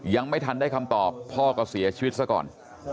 ยังไม่ทันได้คำตอบพ่อก็เสียชีวิตซะก่อน